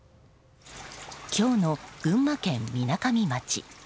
今日の群馬県みなかみ町。